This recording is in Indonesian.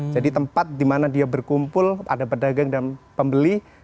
jadi tempat dimana dia berkumpul ada pedagang dan pembeli